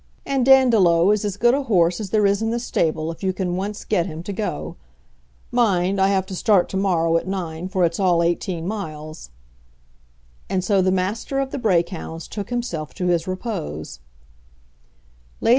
And Dandolo is as good a horse as there is in the stable, if you can once get him to go. Mind, I have to start to morrow at nine, for it's all eighteen miles." And so the Master of the Brake Hounds took himself to his repose.